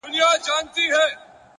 هوډ د وېرې غږ کموي